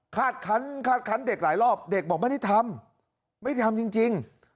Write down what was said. คาดคันเด็กหลายรอบเด็กบอกไม่ได้ทำไม่ได้ทำจริง